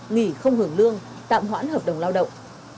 nghỉ không hưởng lương tạm hoãn hợp đồng lao động